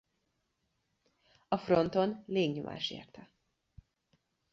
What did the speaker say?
A fronton légnyomás érte.